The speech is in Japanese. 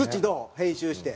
編集して。